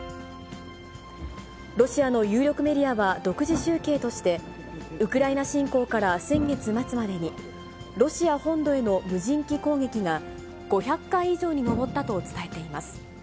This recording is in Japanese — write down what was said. ロシアの有力メディアは独自集計として、ウクライナ侵攻から先月末までに、ロシア本土への無人機攻撃が、５００回以上に上ったと伝えています。